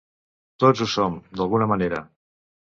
Tots ho som, d’alguna manera.